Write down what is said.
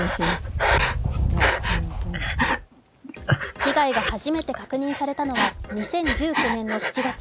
被害が初めて確認されたのは２０１９年の７月。